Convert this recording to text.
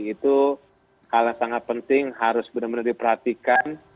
itu hal yang sangat penting harus benar benar diperhatikan